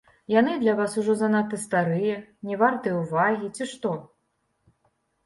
Яны для вас ужо занадта старыя, не вартыя ўвагі, ці што?